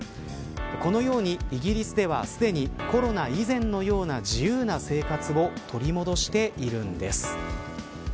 このようにイギリスでは、すでにコロナ以前のような自由な生活を取り戻しているんです。